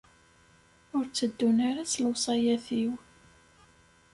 Ur tteddun ara s lewṣayat-iw.